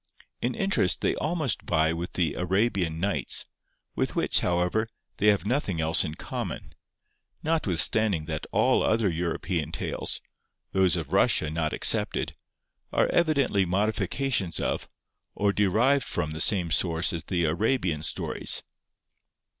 In interest they almost vie with the 'Arabian Nights,' with which, however, they have nothing else in common, notwithstanding that all other European tales—those of Russia not excepted—are evidently modifications of, or derived from the same source as the Arabian stories.